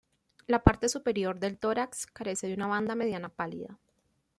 La parte superior del tórax carece de una banda mediana pálida.